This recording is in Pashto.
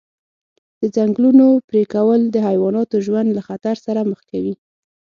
د ځنګلونو پرېکول د حیواناتو ژوند له خطر سره مخ کوي.